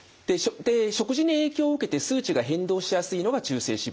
食事に影響を受けて数値が変動しやすいのが中性脂肪。